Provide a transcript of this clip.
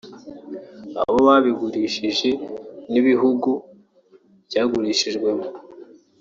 abo babigurishije n’ibihugu byagurishirijwemo